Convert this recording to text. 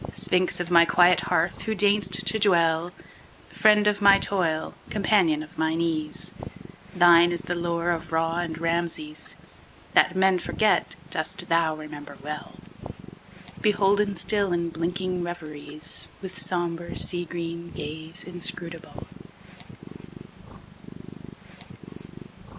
Sphinx of my quiet hearth! who deign'st to dwellFriend of my toil, companion of mine ease, Thine is the lore of Ra and Rameses; That men forget dost thou remember well, Beholden still in blinking reveriesWith sombre, sea green gaze inscrutable.